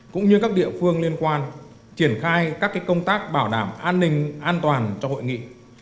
cũng như các địa phương liên quan triển khai các công tác bảo đảm an ninh an toàn cho hội nghị